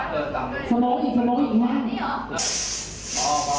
สุดท้ายก็ไม่มีเวลาที่จะรักกับที่อยู่ในภูมิหน้า